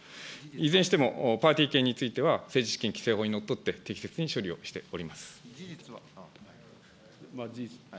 いずれにしても、パーティー券については政治資金規正法にのっとって、適切に処理をしております。